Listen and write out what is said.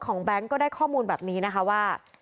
แบงค์ก็ได้ข้อมูลแบบนี้นะคะว่า